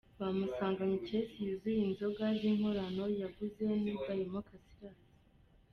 Bamusanganye ikesi yuzuye inzoga z’inkorano yaguze na Udahemuka Silas.